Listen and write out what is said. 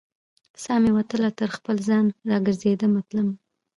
سا مې وتله تر خپل ځان، را ګرزیدمه تلمه